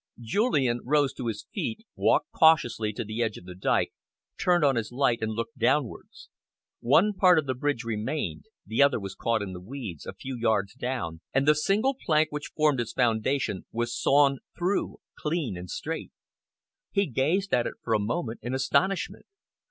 Julian rose to his feet, walked cautiously to the edge of the dyke, turned on his light, and looked downwards. One part of the bridge remained; the other was caught in the weeds, a few yards down, and the single plank which formed its foundation was sawn through, clean and straight. He gazed at it for a moment in astonishment.